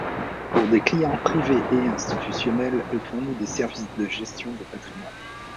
Pour des clients privés et institutionnels, elle fournit des services de gestion de patrimoines.